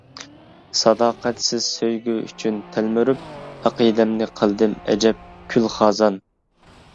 ساداقەتسىز سۆيگۈ ئۈچۈن تەلمۈرۈپ، ئەقىدەمنى قىلدىم ئەجەب كۈل، خازان.